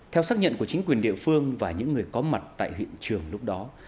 theo xác nhận của chính quyền địa phương và những người có mặt tại hiện trường lúc đó